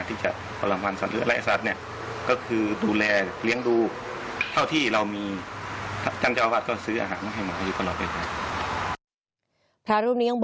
ที่จะประหลังวันสัตว์หรืออะไรสัตว์เนี่ย